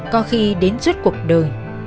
có khi đến suốt cuộc đời